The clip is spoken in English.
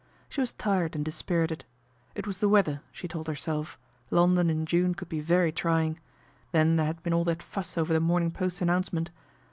She was tired and dispirited. It was the weather, she told herself, London in June could be very trying, then there had been all that fuss over The Morning Post announcement.